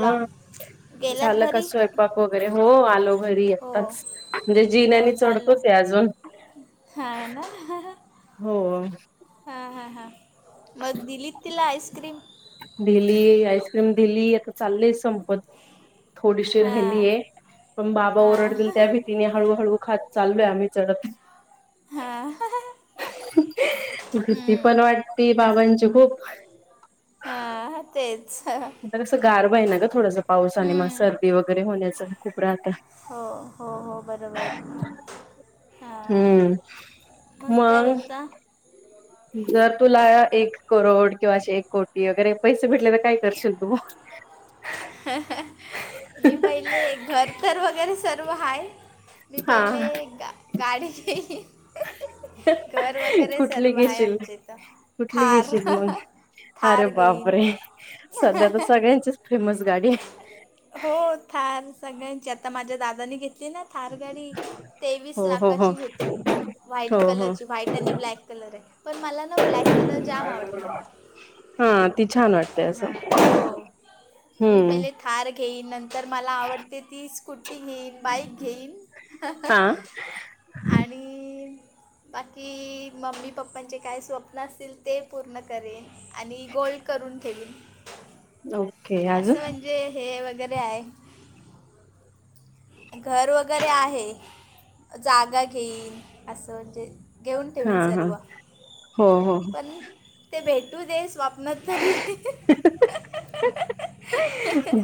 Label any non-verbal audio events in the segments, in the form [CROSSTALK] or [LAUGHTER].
ला हम गेलात झालं का घरी स्वयपाक वगैरे हो आलो. बरी हो आताच जे जिन्याने चढतोच चे अजून. हाय ना ह ह. हो. हां हां हां मग दिली तिला आईस्क्रीम? दिली आईस्क्रीम दिली आता चाललेय संपत. थोडीशी राहिली हां आहे पण बाबा ओरडतील हां त्या भेतीीने हळूहळू खात चाललोय आम्ही चढत. हा. भीती पण वाटति बाबांची खूप. हा तेच. आता कसं गारवा हे ना ग थोडसं पाऊस आणि मंग हम्म, सर्दी वगैरे होण्याचं खूप राहतं. हो हो हो बरोबर हा. हम्म. मग काय बोलता. जर तुला एक करोड किंवा अशे एक कोटी वगैरे पैसे भेटले तर काय करशील तू. [INAUDIBLE] मी पहिले घर तर वगैरे सर्व हाय. मी हा पहिले गा गाडी घेईन. घर वगैरे कुठली सर्व आहे घेशील आमचे इथं कुठली थार. घेशील मग अरे थार घेईन बापरे सध्या तर सगळ्यांचीच फेमस गाडी आहे. हो थार सगळ्यांची आता माझ्या दादानी घेतली ना. थारगाडी तेवीस हो हो हो लाखाची घेतली. व्हाईट हो हो कलरची व्हाईट आणि ब्लॅक कलर आहे पण मला ना ब्लॅक कलर जाम आवडतो. हा ती छान वाटते असं. हां हो मी हम्म पहिले थार घेईन नंतर मला आवडते ती स्कुटी घेईन बाईक घेईन. हा आणि. बाकी मम्मी पप्पांचे काय स्वप्न असतील ते पूर्ण करेन. आणि गोल्ड करून ठेवीन. [UNINTELLIGIBLE] असं म्हणजे हे वगैरे आहे. घर वगैरे आहे जागा घेईन असं म्हणजे. घेऊन ठेवीन हा हा सर्व हो हो पण ते भेटू दे स्वप. स्वप्नात तरी.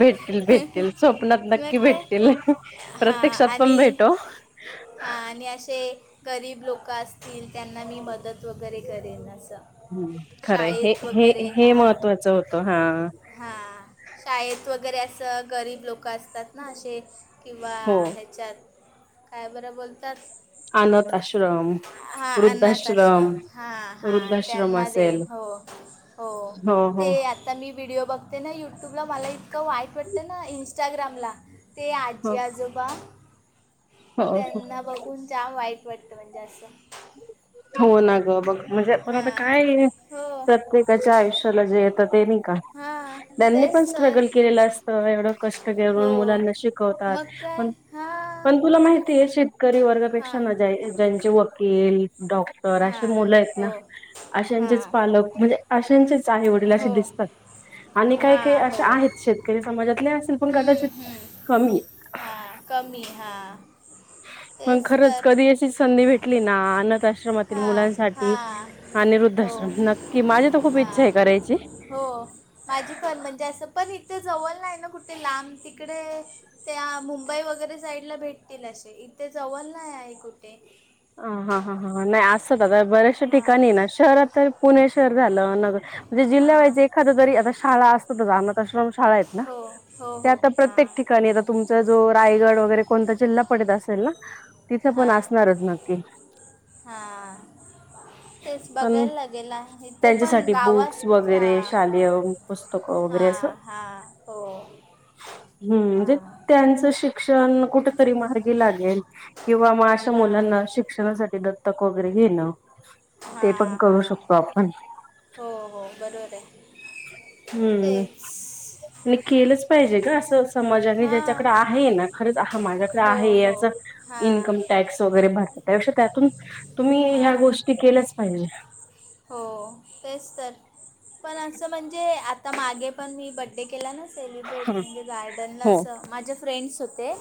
भेटतील भेटतील स्वप्नात नक्की मग काय भेटतील. हां पप्रत्यक्षात पण आणि भेटो. हां आणि असे गरीब लोकं असतील त्यांना मी मदत वगैरे करेन असं. हम्म खरंय हे शाळेत हे वगैरे हे महत्वाचं होतं हा. हा शाळेत वगैरे असं गरीब लोक असतात ना असे. किंवा हो ह्याच्यात काय बरं बोलतात. अनाथआश्रम हा अनाथ आश्रम हां हां वृद्धाश्रम त्यांना असेल देईन हो हो ते आता. तर मी व्हिडिओ बघते ना यूट्यूबला मला इतकं वाईट वाटतं ना इंस्टाग्रामला. ते हो आजी आजोबा. हो हो त्यांना बघून जाम वाईट वाटतं म्हणजे असं. हो ना गं बघ. म्हणजे आपण आता हां काय आहे हो प्रत्येकाच्या आयुष्याला जे येतं ते नाही का. हां त्यांनी पण तेच तर स्ट्रगल केलेलं अस. त एवढं कष्ट हो करून मुलांना शिकवतात मग काय पण. हां पण तुला माहितीय शेतकरी वर्गापेक्षा हां ना ज ज्यांचे वकील. डॉक्टर अशे हां मुलं आहेत ना हो अशाचेच. हां पालक म्हणजे अशांचेच आई वडील असे हो दिसतात आणि काही काही हां असे हो आहेत. शेतकरी समाजातले असल पण कदाचित कमी. हां कमी हा. मग खरंच कधी अशीच संधी भेटली ना. अनाथाआश्रमातील हा मुलांसाठी हा आणि हो वृद्धाश्रम नक्की माझी तर खूप हा इच्छा आहे करायची. हो माझी पण म्हणजे असं पण इथे जवळ नाही ना कुठे लांब तिकडे. त्या मुंबई वगैरे साईड ला भेटतील असे इथे जवळ नाही आहे कुठे. अं हा हा हा नाही असतात आता बऱ्याचशा हां ठिकाणी ना शहरात तर पुणे शहर झालं नग. म्हणजे हां जिल्हाव्हाइस एखाद जरी आता शाळा असतातच अनाथाश्रम शाळा आहेत ना. हो हो ते हो आता प्रत्येक हां ठिकाणी. तुमचा जो रायगड वगैरे कोणता जिल्हा पडत असेल ना तिथे पण हां असणारच ना. ओके. हां तेच बघायला लागेलं आहेत ते पण गावात बुक्स वगैरे हा. शालेय पुस्तकं हा वगैरे असं हा हो हम्म म्हणजे हां त्यांनच शिक्षण कुठं तरी मार्गी लागेल. किंवा मग अशा हां मुलांना शिक्षणासाठी दत्तक वगैरे घेणं. ते पण हां करू हां शकतो आपण. हो हो बरोबर आहे. हम्म. तेच केलंच पाहिजे अगं असं समाजाने हां ज्याच्याकडे आहे ना खरच. हा माझ्याकडे हो आहे हो याच हां इन्कम टॅक्स वगैरे भरतात त्यापेक्षा त्यातून. तुम्ही ह्या हां गोष्टी केल्याच पाहिजे. हो तेच तर पण असं म्हणजे आता मागे पण मी ब. बडे केला ना सेलिब्रेट हा म्हणजे गार्डनला हो असं माझे फ्रेंड्स होते.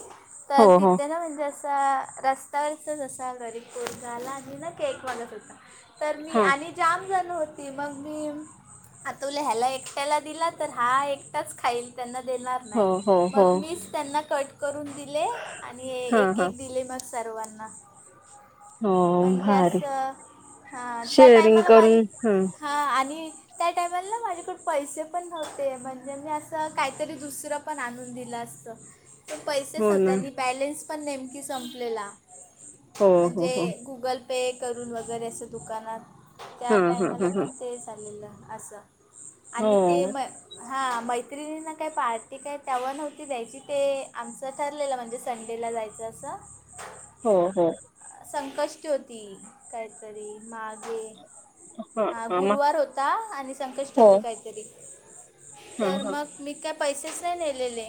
तर हो हो तिथे ना म्हणजे असं. असा रस्त्यावरचाच असा गरीब [UNINTELLIGIBLE] आला आणि ना केक मागत होता. तर मी हा आणि जाम झाल होती मग मी. हा तुला ह्याला एकट्याला दिला तर हा एकटाच खाईल. त्यांना देणार हो नाही हो हो मग मीच त्यांना कट करून. दिले आणि हा एक हा एक दिले मग सर्वांना. हो म्हणजे भारीे असं हां त्या शेअरिंग टायमाला माझी करून हम्म. हां आणि त्या टाइमाला ना माझ्याकड पैसे पण नव्हते म्हणजे मी असं काहीतरी दुसरं. पण आणून दिलं असतं. तर पैसेच हो नव्हते ना आणि बॅलेन्स पण नेमकी संपलेला हो हो हो म्हणजे. गुगल पे करून वगैरे असं दुकानात. त्या हा हा टाइमाला हा हा पण ते चाललेलं असं आणि हो ते म. हा मैत्रिणी ना काय पार्टी काय तेव्हा नव्हती द्यायची ते आमचं ठरलेलं म्हणजे संडेला जायच. जसं. हो हो संकष्टी होती काहीतरी मागे. हां हा हां मग गुरुवार होता आणि संकष्टी हो होती काहीतरी हां तर हां मग. मी काय पैसेच नाही नेलेले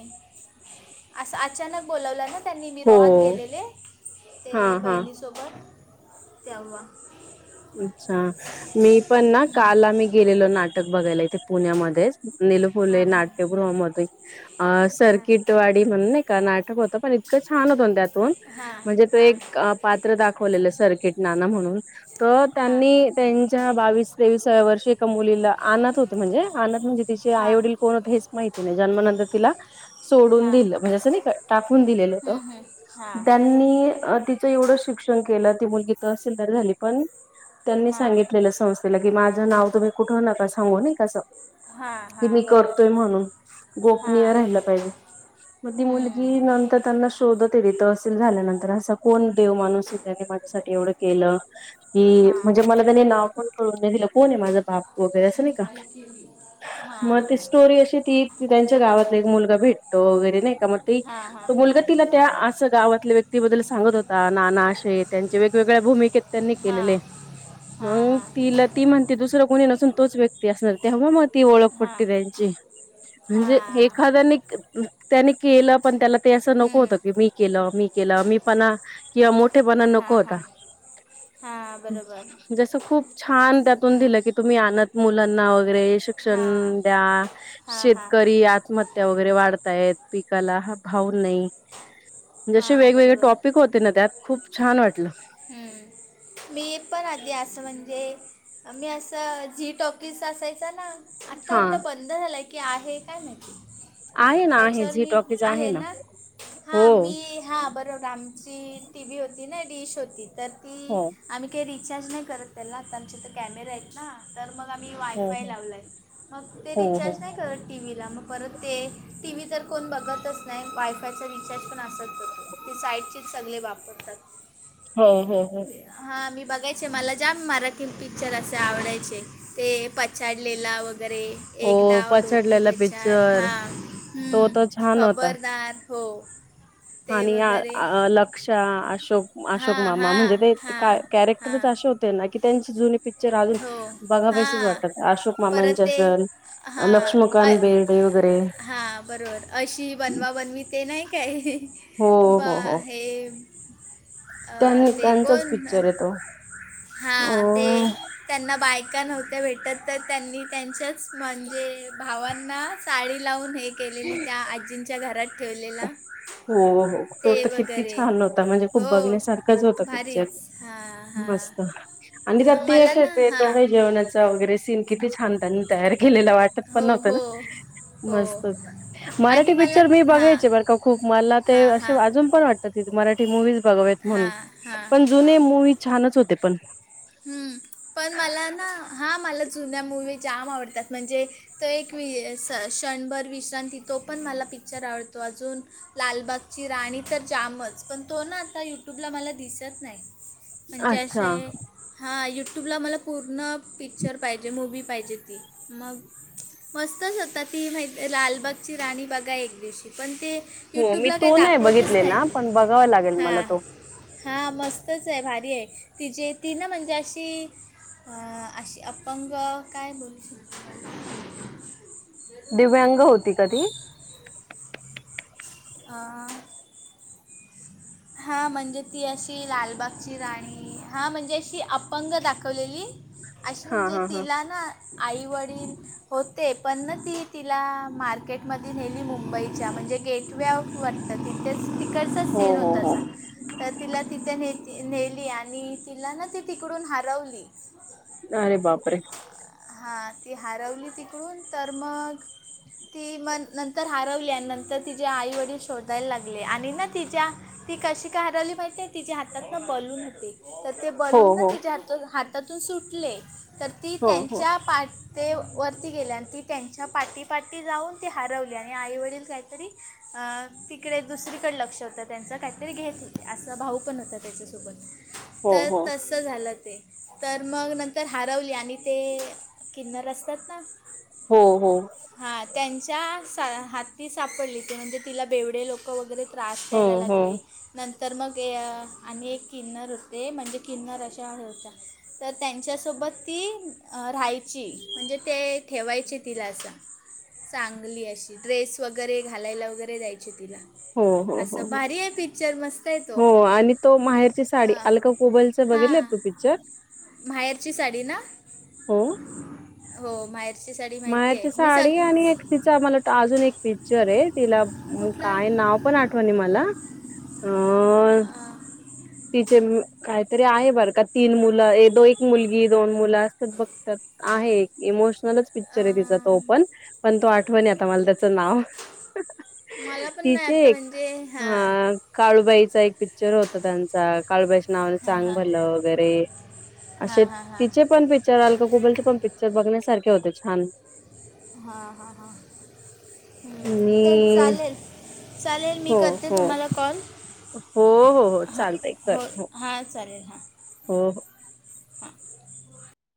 असं अचानक बोलावलं ना. त्यांनी मी हो रोहात गेलेले हां ते हां बहिणीसोबत. तेव्हा. अच्छा मी पण ना काल आम्ही गेलेलो नाटक बघायला इथे. पुण्यामध्येच निलफुले हां हां नाट्यगृहामध्ये अ हां सर्किट. ट अडी म्हणून नाही का नाटक होतं पण इतकं छान होत ना त्यात हां म्हणजे ते हां एक पात्र दाखवलेलं सर्किट नाना म्हणून. अ हां त्यांनी त्यांच्या बावीस तेवीसाव्या वर्षी एका मुलीला अनाथ होते म्हणजे अनाथ म्हणजे तिचे आई हां वडील. कोण होत हेच माहिती नाही जन्मानंतर तिला. सोडून हां दिलं म्हणजे असं नाही टाकून दिलेलं होत हां त्यांनी ती. च एवढं शिक्षण केलं ती मुलगी तहसीलदार झाली पण त्यांनी हां सांगितलेल. [UNINTELLIGIBLE] [UNINTELLIGIBLE] माझं नाव तुम्ही कुठं नका सांगू नाही का असं. हां की हां मी बरोबर करतोय म्हणून गोपनीय हां राहिलं पाहिजे. मग ती हां मुलगी नंतर त्यांना शोधत आहे तिथं तहसील झाल्यानंतर असा कोण देव माणूस आहे त्याने माझ्यासाठी एवढं केलं. की हां म्हणजे मला त्याने नाव पण कळू नाही दिलं कोण आहे माझं बाप? वगैरे असं नाही का? मग ती हां स्टोरी अशी ती ती त्यांच्या गावातला एक मुलगा भेटतो वगैरे नाही का? मग ती हां हां तो हां मुलगा तिला त्या असं गावातल्या व्यक्तीबद्दल सांगत होता नाना असे त्यांचे वेगवेगळ्या भूमिकेत त्यांनी केलेलेय. हां मग हां तिला ती म्हणते दुसरं कोणी नसून तोच व्यक्ती असणार तेव्हा मग ती ओळख पटते त्यांची. हां म्हणजे एखाद्याने [UNINTELLIGIBLE] त्याने केलं पण त्याला ते असं नको होतं की मी केलं मी केलं मीपणा किंवा मोठेपणा नको हां होता. हां हां बरोबर जसं खूप छान त्यातून हं. दिलं की तुम्ही अनाथ मुलांना वगैरे शि क्षण हां द्या हां हां शेतकरी आत्म हत्या वगैरे वाढतायेत पिकाला हा भाव नाही. जसे हां वेगवेगळे बरोबर टॉपिक होते ना त्यात खूप छान वाटलं. हम्म, मी पण आधी असं म्हणजे आम्ही असं झी टॉकीज असायचं ना? आत्ता हां. वाटतं बंद झालाय की आहे काय नक्की? आहे ना आहे झी टॉकीज आहे ना, हां हो. मी हां बरोबर आमची टी व्ही होती नाही डिश होती तर ती हो. आम्ही काही रिचार्ज नाही करत त्याला आता आमच्या इथं कॅमेरे आहेत. ना तर मग आम्ही हो वायफाय हो लावलय मग ते हो हो रिचार्ज नाही करत. टी व्हीला मग परत ते टी व्ही तर कोण बघतच नाही वायफायचा रिचार्ज पण असच जातो. ते साईडचेच सगळे वापरतात. होय होय होय. हां मी बघायचे मला जाम मराठी पिक्चर असे आवडायचे. ते पछाडलेला वगैरे. एक हो डाव डोभी पचडलेला पछाड पिक्चर हां, तो हम्म तर छान होता. खबरदार. हो. ते आणि आ वगैरे अ लक्षा, अशोक हा अशोक मामा हा म्हणजे ते [UNINTELLIGIBLE] हा हा कॅरेक्टरच असे होते ना की त्यांचं जुनी पिक्चर अजून हो हा बघावेसेच वाटतात अशोक मामांचे परत ते असल अ हा लक्ष्मीकांत अ- बेर्डे वगैरे हा बरोबर अशी बनवा बनवी ते नाही काय? हो बा हो हो हे अ त्यां ते पण त्यांचाच पिक्चर आहे तो अ हां ते त्यांना बायका नव्हत्या भेटत तर त्यांनी त्यांच्याच म्हणजे भावांना साडी लावून हे केलेली त्या आजींच्या घरात ठेवलेला हो हो, तो ते तर किती वगैरे छान होता म्हणजे खूप हो बघण्यासारखंच होता पिक्चर. भारीच हां मस्त. हां आणि त्यात हां ते मला असे ना ते हां डोहाळे जेवणाचा वगैरे सीन किती छान त्यांनी तयार केलेला वाटत पण हो नव्हत ना? हो हो मस्त आणि मराठी मला पिक्चर मी हां बघायचे [UNINTELLIGIBLE] खूप मला ते हां असे हां अजून पण वाट [UNINTELLIGIBLE] मराठी मूवीज बघावेत म्हणून हां हां पण जुने हो मूवी छानच होते पण. हम्म, पण मला ना हां मला जुन्या मूवी जाम आवडतात म्हणजे तो एक वि श-क्षणभर विश्रांती तो पण मला पिक्चर आवडतो अजून लालबागची राणी तर जामच पण तो ना आता यूट्यूबला मला दिसत नाही म्हणजे अच्छा असे हां यूट्यूबला मला पूर्ण पिक्चर पाहिजे मूवी पाहिजे ती मग मस्तच होता ती माहिते लालबागची राणी बघा एक दिवशी पण ते यूट्यूबला काय दाखवतच नाही. बघावं लागेल. मला हां तो हां मस्तच आहे भारी आहे तिचेे ती ना म्हणजे अशी अ अशी अपंग काय बोलू शकते. दिव्यांग होती का ती? [INAUDIBLE] [INAUDIBLE] हां म्हणजे ती अशी लालबागची राणी हां म्हणजे अशी अपंग दाखवलेली अशी हा म्हणजे हा हा तिला ना आईवडील होते पण ती तिला मार्केटमध्ये नेली मुंबईच्या म्हणजे गेट वे ऑफ [UNINTELLIGIBLE] तिकडचाच हो सीन हो होता हो असा. तर तिला तिथे नेती नेली आणि तिला ना ती तिकडून हरवली. अरे बापरे. हां ती हरवली तिकडून तर मग ती मन नंतर हरवली आणि नंतर तिचेे आई वडील शोधायला लागले आणि ना तिच्या ती कशी काय हरवली माहिते? तिच्या हातात ना बलून होते, तर ते हो बलून ना हो तिच्या [UNINTELLIGIBLE] हातातून सुटले. तर ती हो हो त्यांच्या पा ते वरती गेले आणि ती त्यांच्या पाठी पाठी जाऊन ती हरवली आणि आईवडील काहीतरी अ तिकडे दुसरीकडे लक्ष होतं त्यांचं काहीतरी घेत होते असं भाऊ पण होता त्याच्यासोबत हो तर हो तसं झालं ते तर मग नंतर हरवली आणि ते किन्नर असतात ना? हो हो. हां त्यांच्या सा हाती सापडली ती म्हणजे तिला बेवडे लोकं वगैरे त्रास हो द्यायला हो हो लागले. नंतर मग ये आणि एक किन्नर होते म्हणजे किन्नर अशा होत्या. तर त्यांच्यासोबत ती राहायची म्हणजे ते ठेवायचे तिला असं. चांगली अशी ड्रेस वगैरे घालायला वगैरे द्यायचे तिला. हो हो हो असं भारी आहे पिक्चर मस्त आहे तो हो. आणि तो माहेरची साडी हां अलका कुबल चं बघितलंय हां तू पिक्चर? माहेरची साडी ना? हो माहेर माहेरची साडी आणि एक तिचा मला [UNINTELLIGIBLE] अजून एक पिक्चर आहे तिला कुठला काय नाव? पण आठवणी मला अ अं, [UNINTELLIGIBLE] काय तर आहे बरं का? तीन मुलं ये दो एक मुलगी दोन मुलं असतात बघतात. आहे एक इमोशनलच पिक्चर आहे तिचा तो अं, पण, पण तो आठवाय नाही आता मला त्याचं नाव. मला पण नाही आता [UNINTELLIGIBLE] म्हणजे हां काळूबाईचा एक पिक्चर होता त्यांचा. काळूबाईच्या नावान हां चांग हां भलं वगैरे असे हां हां हां तिचे पण पि... त्यावेळी अलका कुबल चे पण पिक्चर बघण्यासारखे होते छान. हा हा हा हम ते आणि चालेल. चालेल मी हो करते. हो तुम्हाला कॉल. हो हो हो... हां चालतय चायतय बर हो हं हां चालेल हां हो हो हो. हां